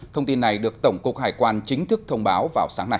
thông tin này được tổng cục hải quan chính thức thông báo vào sáng nay